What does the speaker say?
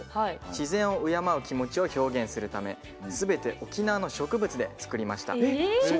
自然を敬う気持ちを表現するためすべて沖縄の植物を使いました。